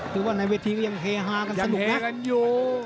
คือว่าอันไงที่ยังเฮฮากันสนุกยังเฮกันอยู่